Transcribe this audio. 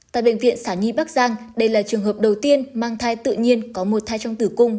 tại bệnh viện sản nhi bắc giang đây là trường hợp đầu tiên mang thai tự nhiên có một thai trong tử cung